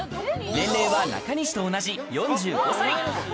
年齢は中西と同じ４５歳。